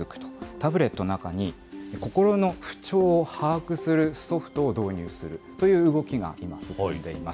タブレットの中に、心の不調を把握するソフトを導入するという動きが今、進んでいます。